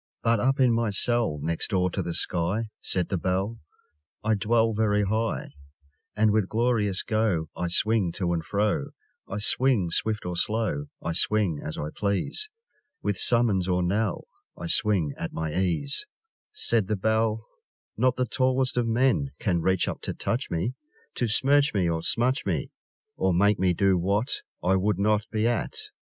But up in my cell Next door to the sky, Said the Bell, I dwell Very high; And with glorious go I swing to and fro; I swing swift or slow, I swing as I please, With summons or knell; I swing at my ease, Said the Bell: Not the tallest of men Can reach up to touch me, To smirch me or smutch me, Or make me do what I would not be at!